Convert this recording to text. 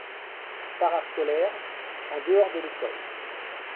Parascolaire : en dehors de l’école.